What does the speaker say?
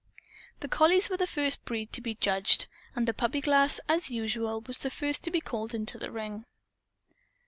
The collies were the first breed to be judged. And the puppy class, as usual, was the first to be called to the ring.